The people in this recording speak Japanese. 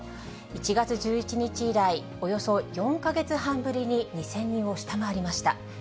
１月１１日以来、およそ４か月半ぶりに２０００人を下回りました。